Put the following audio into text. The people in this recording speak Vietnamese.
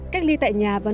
cách ly tại nhà và nhà